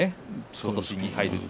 今年に入ると。